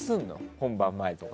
本番前とか。